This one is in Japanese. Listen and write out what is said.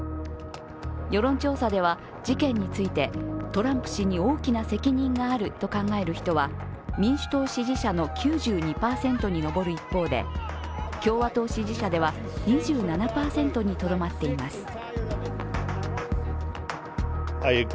世論調査では事件について、トランプ氏に大きな責任があると考える人は民主党支持者の９２％に上る一方で共和党支持者では２７％にとどまっています。